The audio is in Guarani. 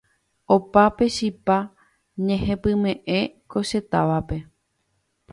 opa pe chipa ñehepyme'ẽ ko che távape